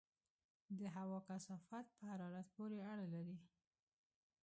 د هوا کثافت په حرارت پورې اړه لري.